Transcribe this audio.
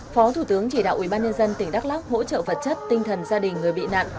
phó thủ tướng chỉ đạo ubnd tỉnh đắk lắc hỗ trợ vật chất tinh thần gia đình người bị nạn